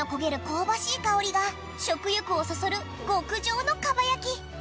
香ばしい香りが食欲をそそる極上のかば焼き